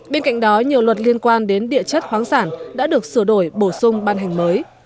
bên cạnh đó nhiều luật liên quan đến địa chất khoáng sản đã được sửa đổi bổ sung ban hành mới